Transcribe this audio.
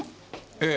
ええ。